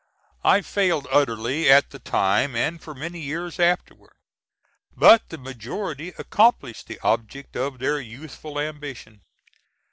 I failed utterly at the time and for many years afterward; but the majority accomplished the object of their youthful ambition.